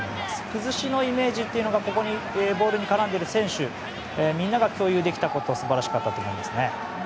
崩しのイメージというのがボールに絡んでいる選手みんなが共有できたこと素晴らしかったと思います。